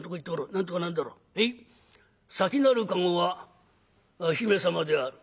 「先なる駕籠は姫様である」。